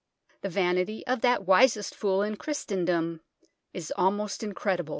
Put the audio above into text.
The vanity of that "wisest fool in Christendom" is almost incredible.